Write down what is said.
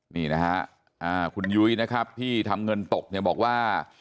นี่นะฮะคุณยุ้ยนะครับที่ทำเงินตกเนี่ยบอกว่า